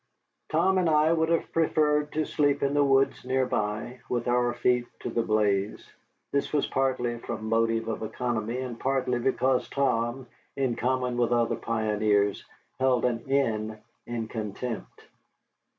Tom and I would have preferred to sleep in the woods near by, with our feet to the blaze; this was partly from motives of economy, and partly because Tom, in common with other pioneers, held an inn in contempt.